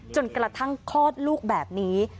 จนกระทั่งคลอดลูกแบบนี้